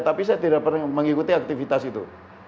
tapi saya tidak pernah mengikuti aktivitas itu